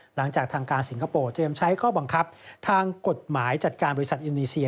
หลังจากทางการสิงคโปร์เตรียมใช้ข้อบังคับทางกฎหมายจัดการบริษัทอินโดนีเซีย